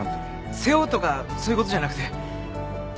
背負うとかそういうことじゃなくて。